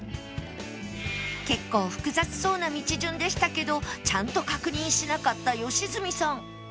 結構複雑そうな道順でしたけどちゃんと確認しなかった良純さん